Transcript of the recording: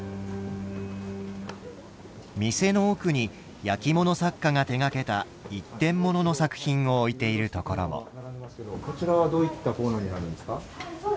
店の奥に焼き物作家が手がけた一点ものの作品を置いているところも。